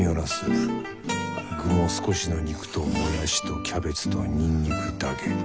具も少しの肉ともやしとキャベツとにんにくだけ。